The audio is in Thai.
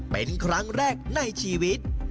เป็นครั้งแรกในชีวิต